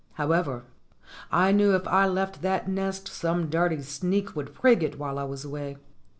However, I knew if I left that nest some dirty sneak would prig it while I was away.